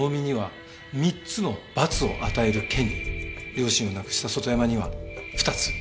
両親を亡くした外山には２つ。